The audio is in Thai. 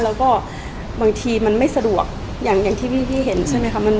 แล้วก็บางทีมันไม่สะดวกอย่างที่พี่เห็นใช่ไหมคะ